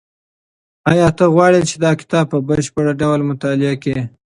ایا ته غواړې چې دا کتاب په بشپړ ډول مطالعه کړې؟